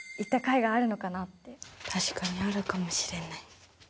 確かにあるかもしれない。